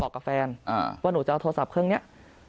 กับแฟนว่าหนูจะเอาโทรศัพท์เครื่องนี้